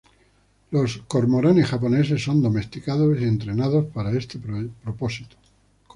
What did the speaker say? Los cormoranes japoneses son domesticados y entrenados para este propósito.